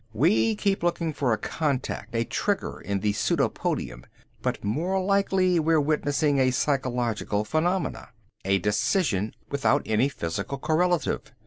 "We keep looking for contact, a trigger in the pseudopodium. But more likely we're witnessing a psychological phenomena, a decision without any physical correlative.